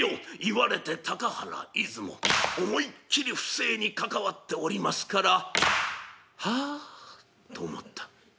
言われて高原出雲思いっきり不正に関わっておりますから「はあ」と思った。